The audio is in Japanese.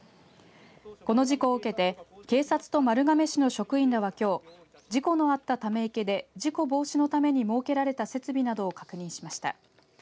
この事故をうけて警察と丸亀市の職員らは、きょう事故のあったため池で事故防止のために設けられた設備などを確認しました。